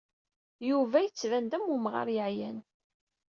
Yuba yettban-d am umɣar yeɛyan.